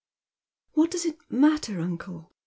" "VVliat does it matter, uncle